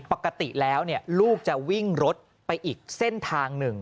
ปกติแล้วลูกจะวิ่งรถไปอีกเส้นทางหนึ่ง